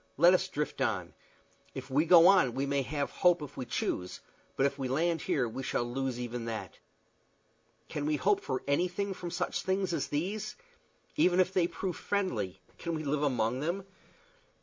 Let us drift on. If we go on we may have hope if we choose, but if we land here we shall lose even that. Can we hope for anything from such things as these? Even if they prove friendly, can we live among them?